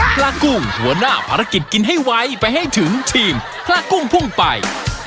ปลากุ้งหัวหน้าภารกิจกินให้ไวไปให้ถึงทีมพระกุ้งพุ่งไป